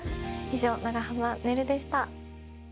以上長濱ねるでした。